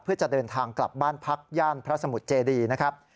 เพื่อจะเดินทางกลับบ้านพักย่านพระสมุทรเจดีนะครับ